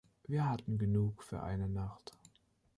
Wir hatten genug für eine Nacht.